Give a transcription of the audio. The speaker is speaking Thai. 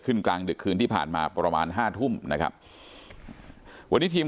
กลางดึกคืนที่ผ่านมาประมาณห้าทุ่มนะครับวันนี้ทีม